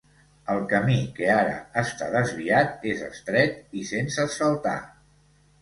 El camí que ara està desviat és estret i sense asfaltar.